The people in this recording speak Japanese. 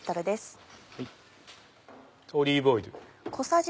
オリーブオイル。